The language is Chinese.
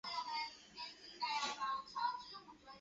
竹田摇篮曲曾被京都和大阪的部落民传唱。